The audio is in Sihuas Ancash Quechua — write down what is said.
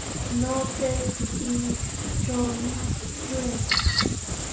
Ñawpaykitrawmi truray.